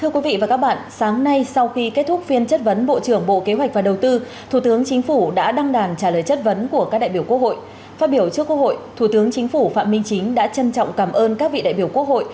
các bạn hãy đăng ký kênh để ủng hộ kênh của chúng mình nhé